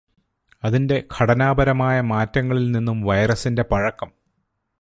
അതിന്റെ ഘടനാപരമായ മാറ്റങ്ങളിൽ നിന്നും വൈറസിന്റെ പഴക്കം